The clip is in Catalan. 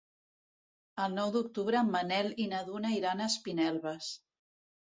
El nou d'octubre en Manel i na Duna iran a Espinelves.